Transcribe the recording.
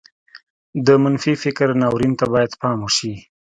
د منفي فکر ناورين ته بايد پام وشي.